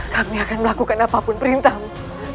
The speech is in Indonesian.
kami akan melakukan apapun perintahmu